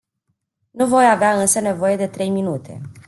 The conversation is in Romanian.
Nu voi avea însă nevoie de trei minute.